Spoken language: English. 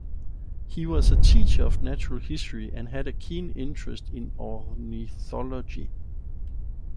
He was a teacher of natural history and had a keen interest in ornithology.